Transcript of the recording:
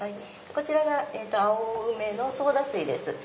こちらが青梅のソーダ水です。